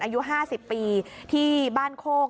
อายุ๕๐ปีที่บ้านโคก